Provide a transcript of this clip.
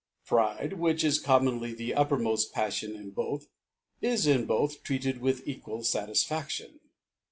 Pride, which is commonly the uppermoft Paffion in both, is in both treated with equal Satisfaction.